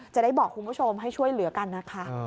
จะได้บอกคุณผู้ชมให้ช่วยเหลือกันนะคะ